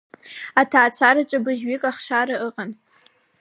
Аҭаацәараҿы быжьҩык ахшара ыҟан…